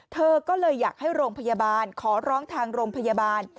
เธอก็เลยอยากให้โรงพยาบาลขอร้องทางโรงพยาบาล